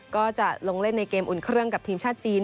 ก็จะลงเล่นในเกมอุ่นเครื่องกับทีมชาติจีน